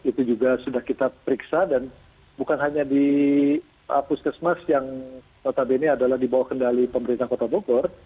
itu juga sudah kita periksa dan bukan hanya di puskesmas yang notabene adalah di bawah kendali pemerintah kota bogor